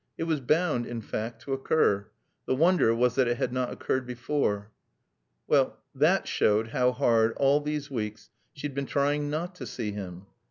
It was bound, in fact, to occur. The wonder was that it had not occurred before. Well, that showed how hard, all these weeks, she had been trying not to see him.